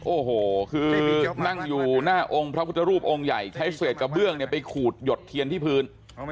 โอ้โหคือนั่งอยู่หน้าองค์พระพุทธรูปองค์ใหญ่ใช้เศษกระเบื้องเนี่ยไปขูดหยดเทียนที่พื้น